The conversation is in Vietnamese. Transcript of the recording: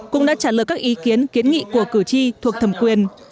cũng đã trả lời các ý kiến kiến nghị của cử tri thuộc thẩm quyền